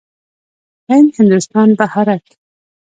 هند، هندوستان، بهارت.